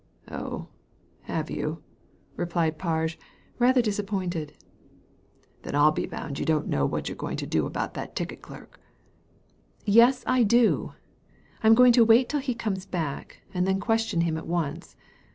"Oh, have you?" returned Parge, rather disap pointed. " Then I'll be bound you don't know what you're going to do about that ticket clerk." ''Yes, I do. I'm going to wait till he comes back, and then question him at once.